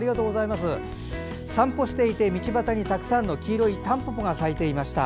先日、近所を散歩していて道端にたくさんの黄色いたんぽぽが咲いていました。